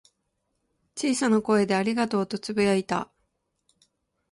小さな声で「ありがとう」とつぶやいた。